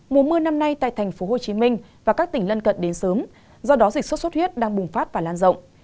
mùa mưa năm nay tại tp hcm và các tỉnh lân cận đến sớm do đó dịch sốt xuất huyết đang bùng phát và lan rộng